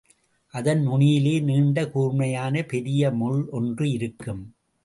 அதன் நுனியிலே நீண்ட கூர்மையான பெரிய முள் ஒன்றும் இருக்கும்.